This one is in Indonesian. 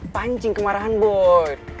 pancing kemarahan boy